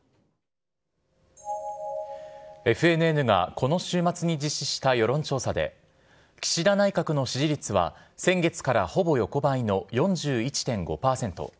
ＦＮＮがこの週末に実施した世論調査で、岸田内閣の支持率は、先月からほぼ横ばいの４１．５％。